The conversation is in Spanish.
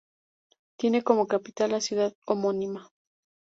Tiene como capital la ciudad homónima.